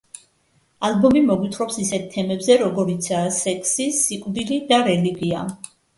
ალბომი მოგვითხრობს ისეთ თემებზე როგორიცაა სექსი, სიკვდილი და რელიგია.